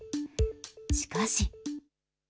しかし。